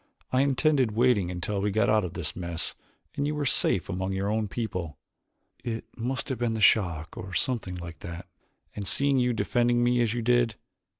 "I intended waiting until we got out of this mess and you were safe among your own people. It must have been the shock or something like that, and seeing you defending me as you did.